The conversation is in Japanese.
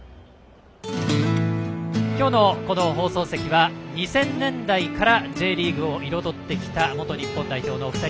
今日の放送席は２０００年代からＪリーグを彩ってきた元日本代表のお二人。